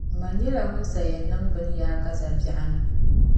Mani nyɛla ŋun sayɛn niŋ bini yaakaza biεɣuni.